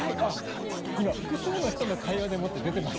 今「複数の人の会話でも」って出てます。